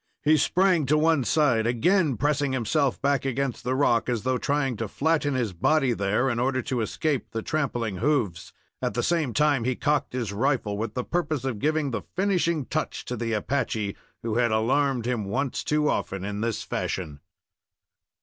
He sprang to one side, again pressing himself back against the rock, as though trying to flatten his body there in order to escape the trampling hoofs. At the same time he cocked his rifle, with the purpose of giving the finishing touch to the Apache who had alarmed him once too often in this fashion.